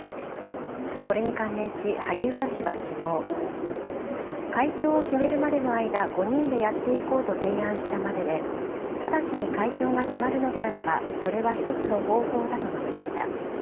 これに関連し、萩生田氏はきのう、会長を決めるまでの間、５人でやっていこうと提案したまでで、直ちに会長が決まるのであれば、それは１つの方法だと述べました。